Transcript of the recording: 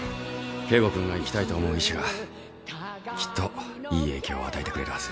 圭吾君が生きたいと思う意志がきっといい影響を与えてくれるはずです。